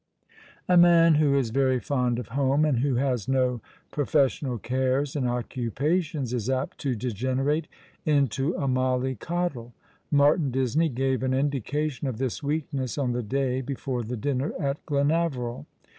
A man who is very fond of home and who lias no pro fessional cares and occupations is apt to degenerate into a molly coddle. Martin Disney gave an indication of this weakness on the day before the dinner at Glenaveril.